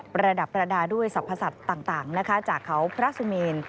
ประดับประดาด้วยศพศัภวะต่ำต่างจากเขาพระสุเมน